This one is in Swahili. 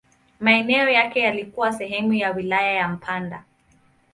Maeneo yake yalikuwa sehemu ya wilaya ya Mpanda.